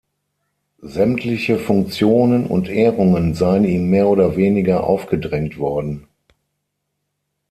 Sämtliche Funktionen und Ehrungen seien ihm mehr oder weniger aufgedrängt worden.